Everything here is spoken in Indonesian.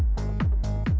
susah juga geng gok lily gini